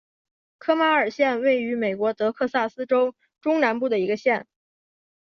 科马尔县位美国德克萨斯州中南部的一个县。